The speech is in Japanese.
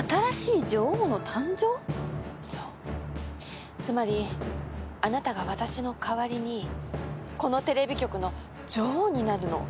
そうつまりあなたが私の代わりにこのテレビ局の女王になるの。